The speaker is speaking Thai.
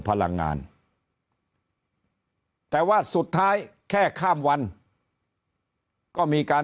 พลังงานแต่ว่าสุดท้ายแค่ข้ามวันก็มีการ